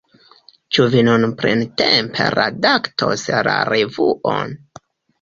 Ĉu vi nun plentempe redaktos la revuon?